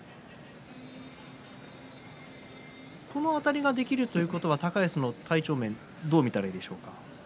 このあたりができるということは高安の体調面はどう見たらいいでしょうか。